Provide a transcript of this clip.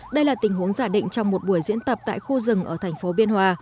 đây là tình huống giả định trong một buổi diễn tập tại khu rừng ở thành phố biên hòa